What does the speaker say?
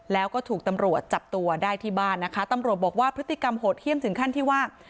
แล้วก็ถูกตำรวจจับตัวได้ที่บ้านนะคะตำรวจบอกว่าพฤติกรรมโหดเยี่ยมถึงขั้นที่ว่า